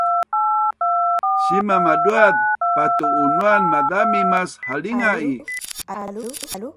Sima maduaz patu-unuan Mazami mas halinga i